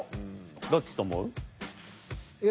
どっちと思う？